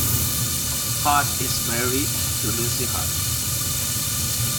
Harte is married to Louise Harte.